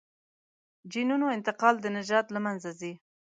جینونو انتقال د نژاد له منځه ځي.